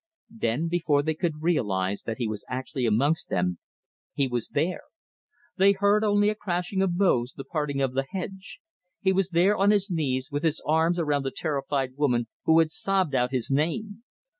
Then, before they could realize that he was actually amongst them, he was there. They heard only a crashing of boughs, the parting of the hedge. He was there on his knees, with his arms around the terrified woman who had sobbed out his name.